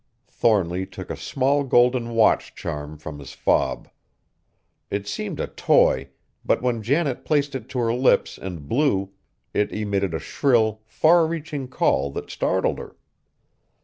Thornly took a small golden watch charm from his fob. It seemed a toy, but when Janet placed it to her lips and blew, it emitted a shrill, far reaching call that startled her.